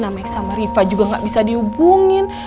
nana baik sama riva juga gak bisa dihubungin